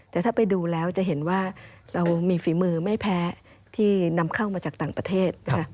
แต่ถ้าไปดูแล้วจะเห็นว่าเรามีฝีมือไม่แพ้ที่นำเข้ามาจากต่างประเทศ